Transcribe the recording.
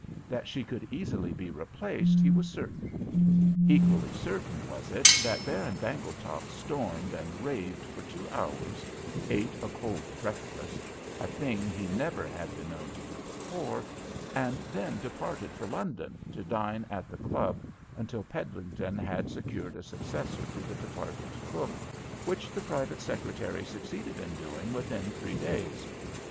That she could easily be replaced, he was certain. Equally certain was it that Baron Bangletop stormed and raved for two hours, ate a cold breakfast a thing he never had been known to do before and then departed for London to dine at the club until Peddlington had secured a successor to the departed cook, which the private secretary succeeded in doing within three days.